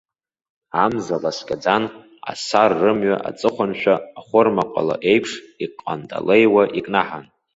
Амза ласкьаӡан, асар рымҩа аҵыхәаншәа, ахәырма ҟала еиԥш иҟанҭалеиуа икнаҳан.